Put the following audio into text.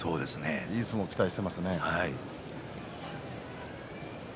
いい相撲を期待しています。